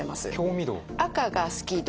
赤が好き度。